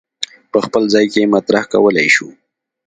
په خپل ځای کې یې مطرح کولای شو.